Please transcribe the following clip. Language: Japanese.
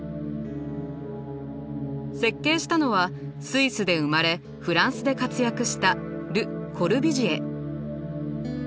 設計したのはスイスで生まれフランスで活躍したル・コルビュジエ。